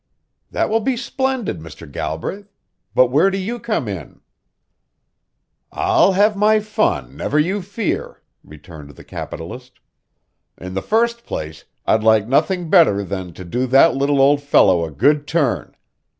"That will be splendid, Mr. Galbraith; but where do you come in?" "I'll have my fun, never you fear," returned the capitalist. "In the first place I'd like nothing better than to do that little old fellow a good turn.